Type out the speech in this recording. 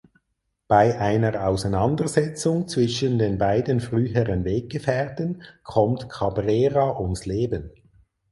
Bei einer Auseinandersetzung zwischen den beiden früheren Weggefährten kommt Cabrera ums Leben.